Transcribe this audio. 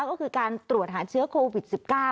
ก็คือการตรวจหาเชื้อโควิด๑๙